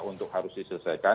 untuk harus diselesaikan